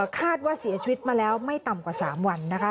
คาดว่าเสียชีวิตมาแล้วไม่ต่ำกว่า๓วันนะคะ